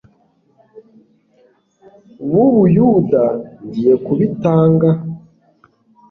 b u Buyuda ngiye kubitanga